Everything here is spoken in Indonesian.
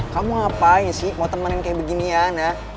kamu ngapain sih mau temenin kayak beginian ya